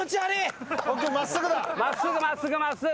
真っすぐ真っすぐ真っすぐ。